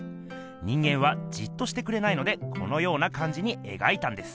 人間はじっとしてくれないのでこのようなかんじにえがいたんです。